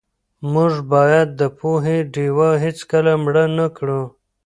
موږ باید د پوهې ډېوه هېڅکله مړه نه کړو.